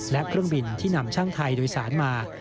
และเครื่องบินที่นำช่างไทยโดยสารมา